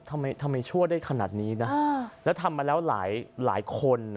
ทำไมชั่วได้ขนาดนี้นะแล้วทำมาแล้วหลายคน